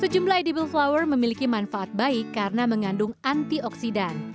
sejumlah edible flower memiliki manfaat baik karena mengandung antioksidan